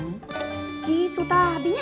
gitu ta abie nya